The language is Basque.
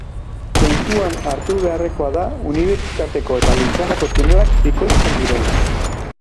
Kontuan hartu beharrekoa da Unibertsitateko eta Lutxanako tunelak bikoitzak direla.